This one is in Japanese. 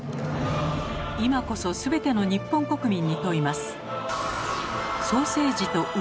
今こそすべての日本国民に問います。